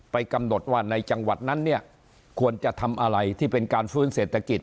กำหนดว่าในจังหวัดนั้นเนี่ยควรจะทำอะไรที่เป็นการฟื้นเศรษฐกิจ